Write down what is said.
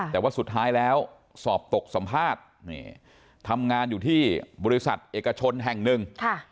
แต่ว่าสุดท้ายแล้วสอบตกสัมภาษณ์ทำงานอยู่ที่บริษัทเอกชนแห่งหนึ่ง